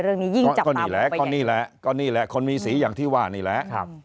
เรื่องนี้ยิ่งจับตาบอกไปใหญ่กว่าก็นี่แหละคนมีสีอย่างที่ว่านี่แหละ